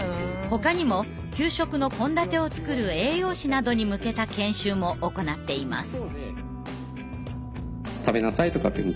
ほかにも給食の献立を作る栄養士などに向けた研修も行っています。